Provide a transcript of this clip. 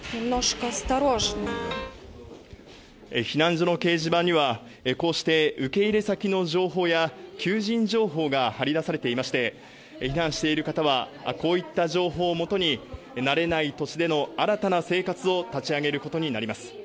避難所の掲示板には、こうして受け入れ先の情報や、求人情報が貼り出されていまして、避難している方は、こういった情報を基に、慣れない土地での新たな生活を立ち上げることになります。